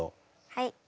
はい。